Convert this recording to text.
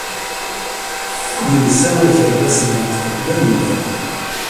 Yelsa akerbas n leqṭen d amellal.